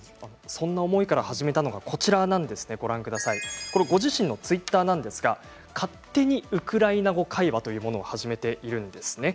そんな思いから始めたのがご自身のツイッターなんですが勝手にウクライナ語会話というのを始めているんですね。